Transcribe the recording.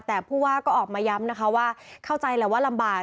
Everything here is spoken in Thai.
แต่ผู้ว่าก็ออกมาย้ำนะคะว่าเข้าใจแหละว่าลำบาก